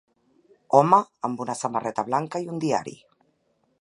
home amb una samarreta blanca i un diari